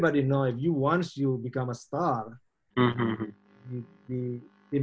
karena semua orang tahu jika anda ingin menjadi bintang